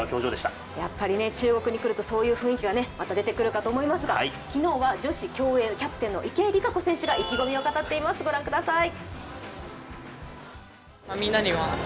中国に来るとそういう雰囲気がまた、出てくると思いますが昨日は女子競泳キャプテンの池江璃花子選手が意気込みを語っています、ご覧ください。